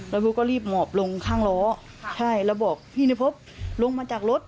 แล้วบิวก็รีบหมอบลงข้างล้อแล้วบอกพี่นิภพลงมาจากรถ